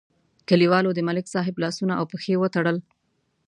کلیوالو د ملک صاحب لاسونه او پښې وتړل.